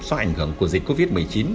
do ảnh hưởng của dịch covid một mươi chín